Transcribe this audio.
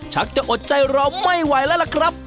ชักจะอดใจรอไม่ไหวแล้วล่ะครับ